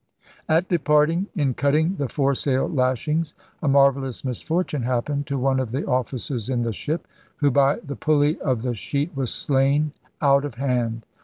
'At departing, in cutting the foresail lashings a marvellous misfortune happened to one of the officers in the ship, who by the pulley of the sheet was slain out of hand.'